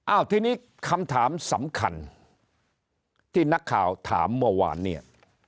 อ้าวทีนี้คำถามสำคัญที่นักข่าวถามเมื่อวานเนี่ย